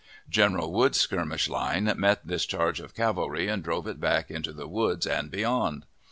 General Woods's skirmish line met this charge of cavalry, and drove it back into the woods and beyond.